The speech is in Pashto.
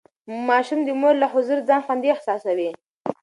ماشوم د مور له حضور ځان خوندي احساسوي.